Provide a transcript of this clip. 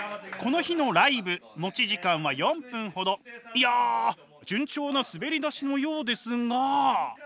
いや順調な滑り出しのようですが。